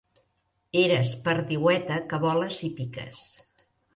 Eres perdiueta que voles i piques.